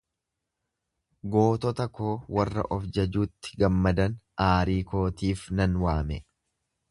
Gootota koo warra of jajuutti gammadan aarii kootiif nan waame.